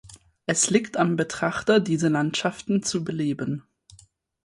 Es liegt am Betrachter diese Landschaften zu beleben.